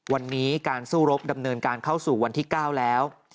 วันนี้การสู้รบดำเนินการเข้าสู่วันที่๙แล้ว